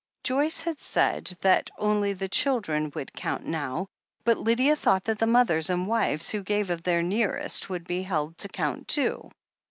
Joyce had said that only the children would count now, but Lydia thought that the mothers and wives who gave of their nearest would be held to count too.